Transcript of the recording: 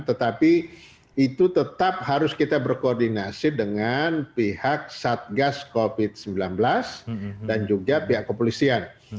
tetapi itu tetap harus kita berkoordinasi dengan pihak satgas covid sembilan belas dan juga pihak kepolisian